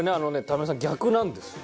民生さん逆なんです。